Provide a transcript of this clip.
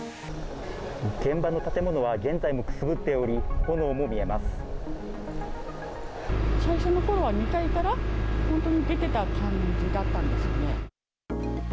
現場の建物は現在もくすぶっ最初のころは２階から、本当に出てた感じだったんですよね。